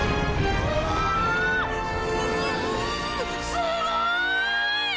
すすごい！